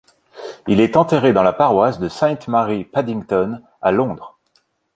Il est enterré dans la paroisse de Saint Mary Paddington à Londres.